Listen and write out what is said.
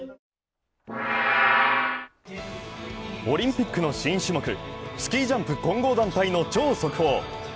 オリンピックの新種目、スキージャンプ混合団体の超速報。